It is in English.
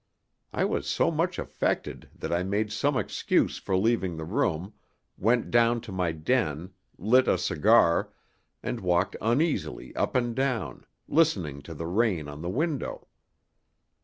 I was so much affected that I made some excuse for leaving the room, went down to my den, lit a cigar, and walked uneasily up and down, listening to the rain on the window.